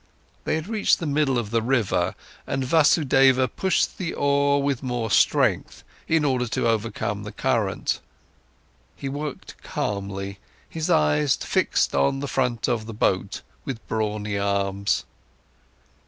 They had reached the middle of the river, and Vasudeva pushed the oar with more strength, in order to overcome the current. He worked calmly, his eyes fixed in on the front of the boat, with brawny arms.